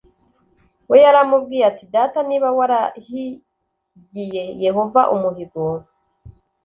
we yaramubwiye ati data niba warahigiye yehova umuhigo